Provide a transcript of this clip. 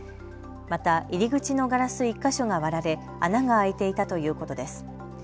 また、入り口のガラス１か所が割られ穴が開いていたということです。